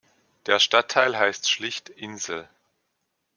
Der Stadtteil heißt schlicht "Insel".